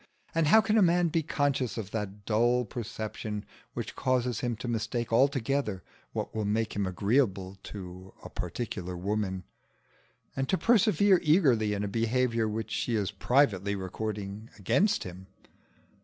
And how can a man be conscious of that dull perception which causes him to mistake altogether what will make him agreeable to a particular woman, and to persevere eagerly in a behaviour which she is privately recording against him?